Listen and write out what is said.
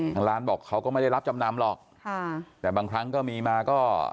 ทางร้านบอกเขาก็ไม่ได้รับจำนำหรอกค่ะแต่บางครั้งก็มีมาก็